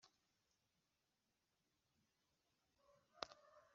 Iteka rya Perezida ryemeza burundu amasezerano y’ubufatanye